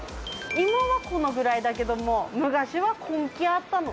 今はこのぐらいだけども昔はこんきあったの。